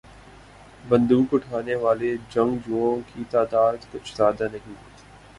بندوق اٹھانے والے جنگجوؤں کی تعداد کچھ زیادہ نہیں۔